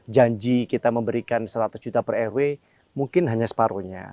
janji kita memberikan seratus juta per rw mungkin hanya separuhnya